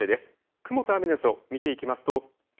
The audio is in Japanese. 雲と雨の予想を見ていきますと。